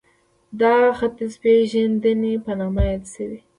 دا ختیځپېژندنې په نامه یادې شوې